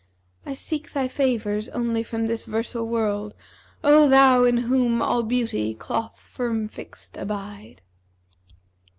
I seek thy favours only from this 'versal world: * O thou in whom all beauty cloth firm fixt abide!'